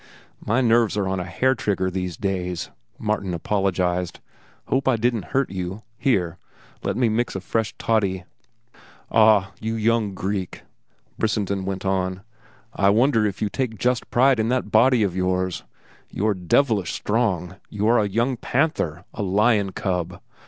"My nerves are on a hair trigger these days," Martin apologized. "Hope I didn't hurt you. Here, let me mix a fresh toddy." "Ah, you young Greek!" Brissenden went on. "I wonder if you take just pride in that body of yours. You are devilish strong. You are a young panther, a lion cub.